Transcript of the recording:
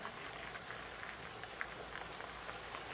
สวัสดีครับ